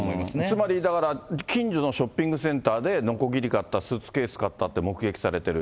つまりだから、近所のショッピングセンターでのこぎり買った、スーツケース買ったって目撃されてる。